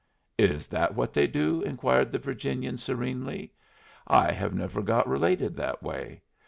"Is that what they do?" inquired the Virginian, serenely. "I have never got related that way.